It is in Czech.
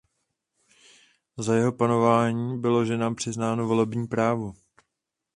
Za jeho panování bylo ženám přiznáno volební právo.